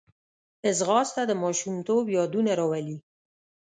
ځغاسته د ماشومتوب یادونه راولي